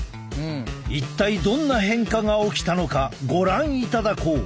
一体どんな変化が起きたのかご覧いただこう！